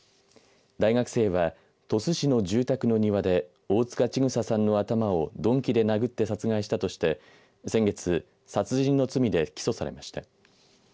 大学生は鳥栖市の住宅の庭で大塚千種さんの頭を鈍器で殴って殺害したとして先月殺人の罪で起訴されました。